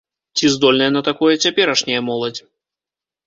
Ці здольная на такое цяперашняя моладзь?